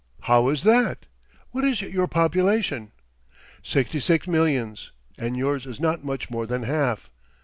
how is that? What is your population?" "Sixty six millions, and yours is not much more than half."